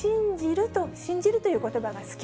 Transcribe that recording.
信じるということばが好き。